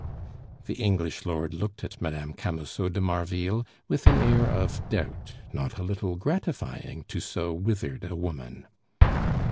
The English lord looked at Mme. Camusot de Marville with an air of doubt not a little gratifying to so withered a woman.